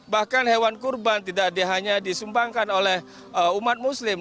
bahkan hewan kurban tidak hanya disumbangkan oleh umat muslim